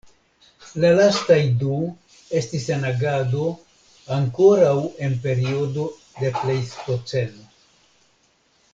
La lastaj du estis en agado ankoraŭ en periodo de plejstoceno.